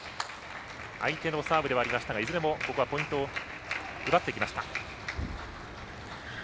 相手のサーブではありましたがいずれもここはポイントを奪っていきました。